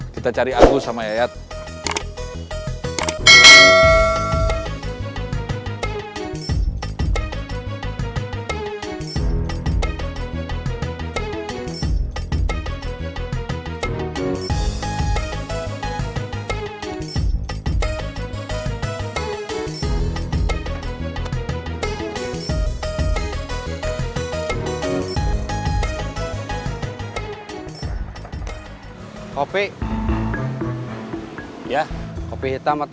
kita cari agus sama yayat